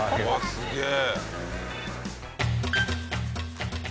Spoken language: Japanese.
すげえ！